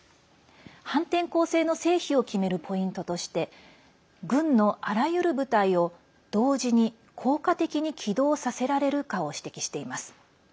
反転攻勢の成否を決めるポイントとして軍のあらゆる部隊を同時に効果的に機動させられるかを指摘しています。